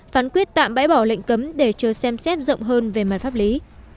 phán quyết tạm bãi bỏ lệnh cấm để chờ xem xét rộng hơn về mặt pháp lý